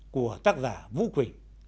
của tác giả vũ quỳnh